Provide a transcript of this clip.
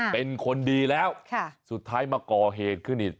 เป็นคนดีแล้วสุดท้ายมาก่อเหตุขึ้นอีก